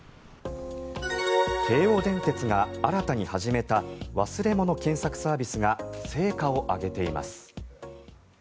京王電鉄が新たに始めた忘れ物検索サービスが成果を上げています。